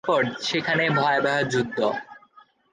তারপর সেখানে ভয়াবহ যুদ্ধ।